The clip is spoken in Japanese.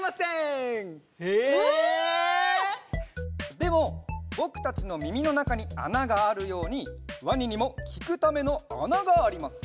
でもぼくたちのみみのなかにあながあるようにワニにもきくためのあながあります。